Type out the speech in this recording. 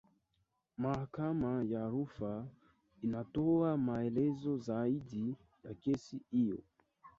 mahakama ya rufaa inatoa maelezo zaidi ya kesi hiyo